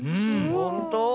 ほんと？